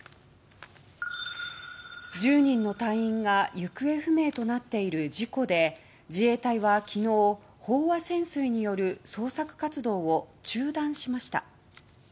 １０人の隊員が行方不明となっている事故で自衛隊は昨日、飽和潜水による捜索活動を中断しました。